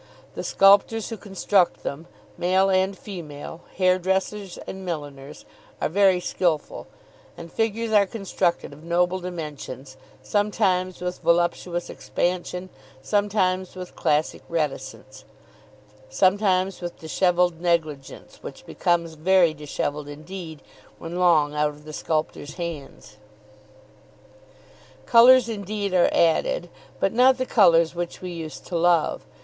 The sculptors who construct them, male and female, hairdressers and milliners, are very skilful, and figures are constructed of noble dimensions, sometimes with voluptuous expansion, sometimes with classic reticence, sometimes with dishevelled negligence which becomes very dishevelled indeed when long out of the sculptors' hands. Colours indeed are added, but not the colours which we used to love.